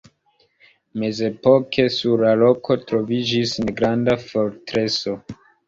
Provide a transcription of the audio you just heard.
Mezepoke sur la roko troviĝis negranda fortreso.